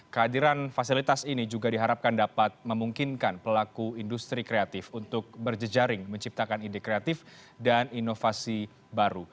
kehadiran fasilitas ini juga diharapkan dapat memungkinkan pelaku industri kreatif untuk berjejaring menciptakan ide kreatif dan inovasi baru